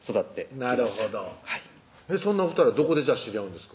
なるほどそんなお２人はどこで知り合うんですか？